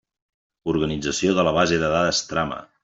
Organització de la base de dades trama.